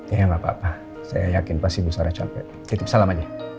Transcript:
iya nggak apa apa saya yakin pasti bu sarah capek titip salam aja